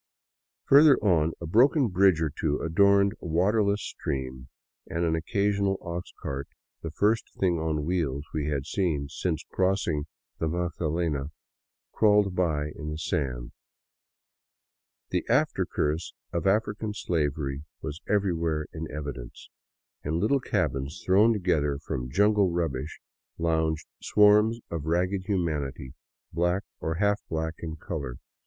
Further on, a broken bridge or two adorned a waterless stream, and an occasional ox cart, the first thing on wheels we had seen since crossing the Magdalena, crawled by in the sand. The after curse of African slavery was everywhere in evidence. In little cabins thrown together from jungle rubbish lounged swarms of ragged humanity, black or half black in color.